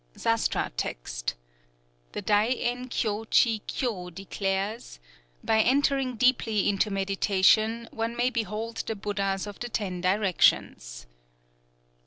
(Sastra text.) _The Dai en kyō chi kyō declares: "By entering deeply into meditation, one may behold the Buddhas of the Ten Directions."